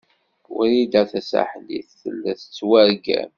Wrida Tasaḥlit tella tettwargam.